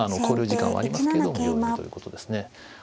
考慮時間はありますけど秒読みということですね。